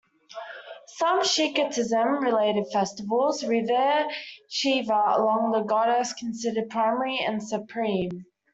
Some Shaktism-related festivals revere Shiva along with the goddess considered primary and Supreme.